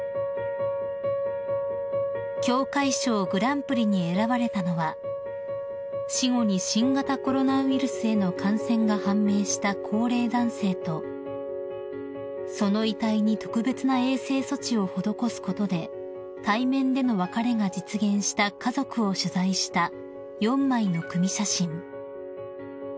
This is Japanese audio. ［協会賞グランプリに選ばれたのは死後に新型コロナウイルスへの感染が判明した高齢男性とその遺体に特別な衛生措置を施すことで対面での別れが実現した家族を取材した４枚の組み写真］